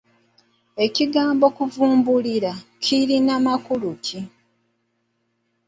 Ekigambo kuvumbulira kirina makulu ki?